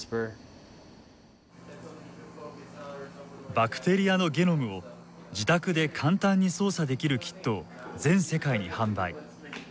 バクテリアのゲノムを自宅で簡単に操作できるキットを全世界に販売。